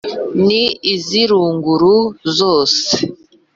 ni iz’ iruguru zose,